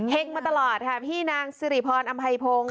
เห็งมาตลอดค่ะพี่นางสิริพรอัมภัยพงศ์